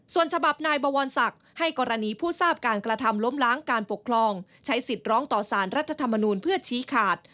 ส่วนฉบับนายบวรศักดิ์ให้กรณีผู้ทราบการกระทำล้มล้างการปกครองใช้สิทธิ์ร้องต่อสารรัฐธรรมนูลเพื่อชี้ขาด